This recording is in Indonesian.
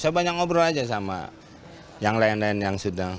saya banyak ngobrol aja sama yang lain lain yang sudah